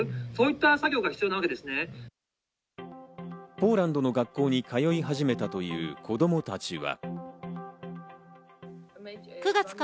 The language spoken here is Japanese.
ポーランドの学校に通い始めたという子供たちは。